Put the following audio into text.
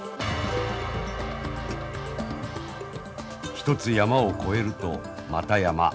一つ山を越えるとまた山